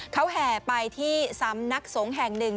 เขาแห่ไปที่สำนักสงฆ์แห่งหนึ่ง